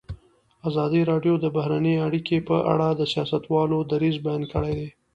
ازادي راډیو د بهرنۍ اړیکې په اړه د سیاستوالو دریځ بیان کړی.